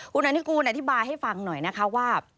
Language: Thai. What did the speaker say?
คุณอนุกูลอธิบายให้ฟังหน่อยนะคะว่า